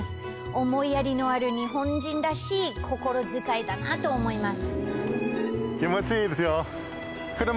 思いやりのある日本人らしい心遣いだなと思います。